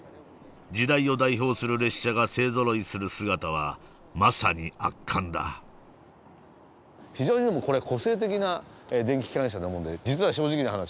時代を代表する列車が勢ぞろいする姿はまさに圧巻だ非常にでもこれ個性的な電気機関車なもんで実は正直な話